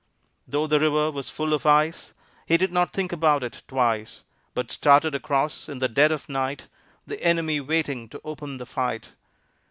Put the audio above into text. Though the river was full of ice He did not think about it twice, But started across in the dead of night, The enemy waiting to open the fight.